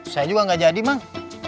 saya juga gak jadi bang